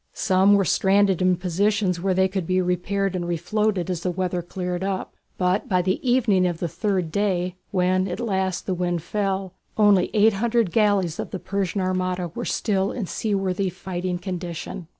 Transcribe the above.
Some were stranded in positions where they could be repaired and refloated as the weather cleared up; but by the evening of the third day, when at last the wind fell, only eight hundred galleys of the Persian armada were still in seaworthy fighting condition.